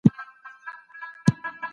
هر څوک به د خپل عمل ځواب وايي.